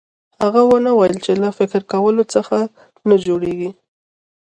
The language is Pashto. هغه ونه ويل چې له فکر کولو څه نه جوړېږي.